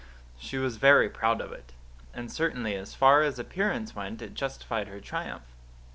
She was very proud of it; and certainly as far as appearance went it justified her triumph.